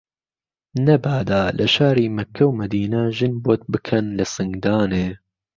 نهبادا له شاری مهککه ومەدینه ژن بۆت پکەن له سنگدانێ